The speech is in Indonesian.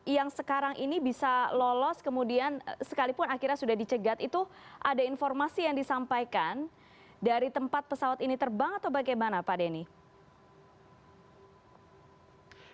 yang sekarang ini bisa lolos kemudian sekalipun akhirnya sudah dicegat itu ada informasi yang disampaikan dari tempat pesawat ini terbang atau bagaimana pak denny